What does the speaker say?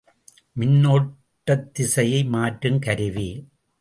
மின்னோட்டத்திசையை மாற்றுங் கருவி.